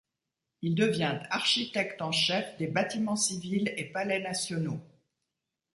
Il devient architecte en chef des bâtiments civils et palais nationaux.